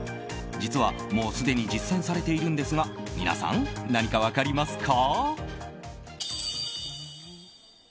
実はもうすでに実践されているんですが皆さん、何か分かりますか？